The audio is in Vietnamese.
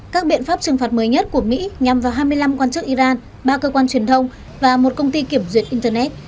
các biện pháp trừng phạt mới nhất của mỹ nhằm vào hai mươi năm quan chức iran ba cơ quan truyền thông và một công ty kiểm duyệt internet